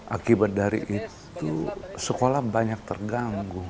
akibat dari itu sekolah banyak terganggu